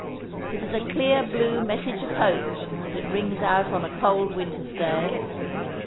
It is a clear blue message of hope, as it rings out on a cold winter's day.